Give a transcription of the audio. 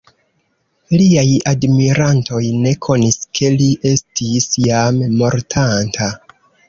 Liaj admirantoj ne konis ke li estis jam mortanta.